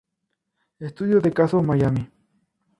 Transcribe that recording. Estudio de caso: Miami".